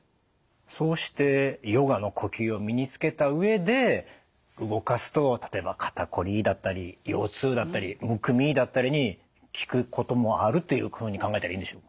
そうしてヨガの呼吸を身につけた上で動かすと例えば肩こりだったり腰痛だったりむくみだったりに効くこともあるというふうに考えたらいいんでしょう？